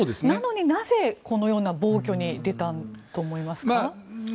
なのになぜこのような暴挙に出たんだと思いますか？